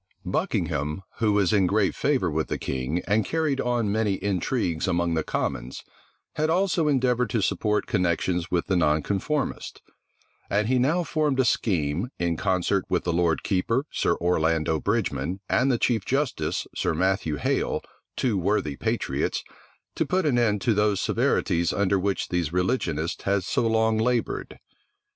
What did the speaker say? Buckingham, who was in great favor with the king, and carried on many intrigues among the commons, had also endeavored to support connections with the nonconformists; and he now formed a scheme, in concert with the lord keeper, Sir Orlando Bridgeman, and the chief justice, Sir Matthew Hale, two worthy patriots, to put an end to those severities under which these religionists had so long labored.